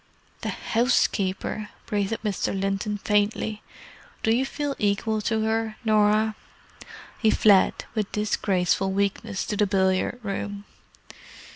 "The housekeeper!" breathed Mr. Linton faintly. "Do you feel equal to her, Norah?" He fled, with disgraceful weakness, to the billiard room.